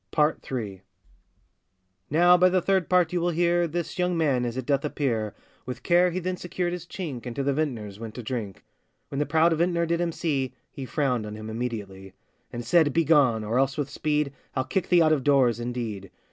PART III. Now, by the third part you will hear, This young man, as it doth appear, With care he then secured his chink, And to the vintner's went to drink. When the proud vintner did him see, He frowned on him immediately, And said, 'Begone! or else with speed, I'll kick thee out of doors, indeed.